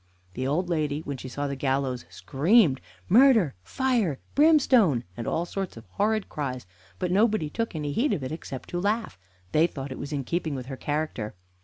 The old lady, when she saw the gallows, screamed "Murder! fire! brimstone!" and all sorts of horrid cries; but nobody took any heed of it, except to laugh. They thought it was in keeping with her character.